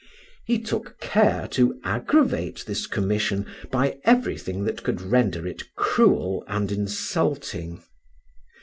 He took care to aggravate this commission by everything that could render it cruel and insulting.